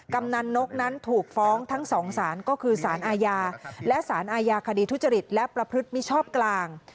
กำนันนกนั้นถูกฟ้องทั้งสองสารก็คือสารอาญาและสารอาญาคดีทุจริตและประพฤติมิชชอบกลาง